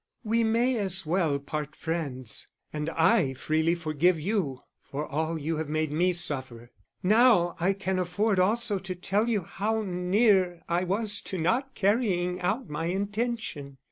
We may as well part friends, and I freely forgive you for all you have made me suffer. Now I can afford also to tell you how near I was to not carrying out my intention.